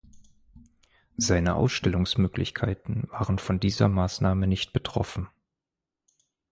Seine Ausstellungsmöglichkeiten waren von dieser Maßnahme nicht betroffen.